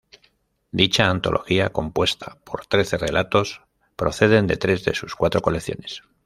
Dicha antología, compuesta por trece relatos, proceden de tres de sus cuatro colecciones.